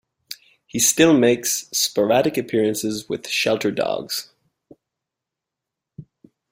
He still makes sporadic appearances with Shelter Dogs.